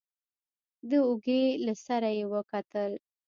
د اوږې له سره يې وکتل.